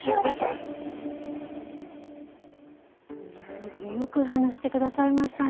本当によく話してくださいましたね。